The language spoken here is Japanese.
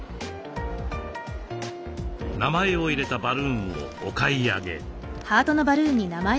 名前を入れたバルーンをお買い上げ。